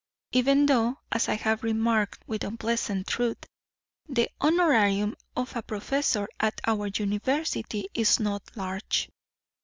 Even though, as I have remarked with unpleasant truth, the honorarium of a professor at our university is not large."